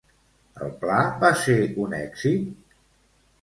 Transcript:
El pla va ser un èxit?